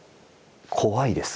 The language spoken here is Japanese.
怖いです。